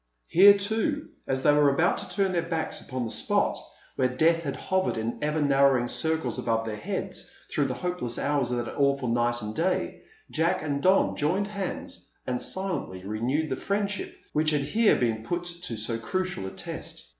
Here, too, as they were about to turn their backs upon the spot where death had hovered in ever narrowing circles about their heads through the hopeless hours of that awful night and day, Jack and Don joined hands and silently renewed the friendship which had here been put to so crucial a test.